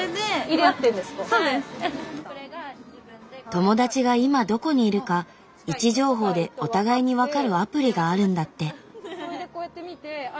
友達が今どこにいるか位置情報でお互いに分かるアプリがあるんだって。